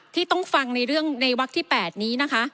ที่ต้องฟังในเรื่องในวักที่๘นี้นะคะ